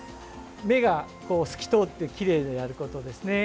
目が透き通ってきれいであることですね。